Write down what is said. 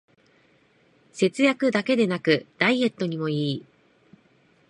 節約だけでなくダイエットにもいい